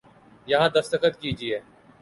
یہاں دستخط کیجئے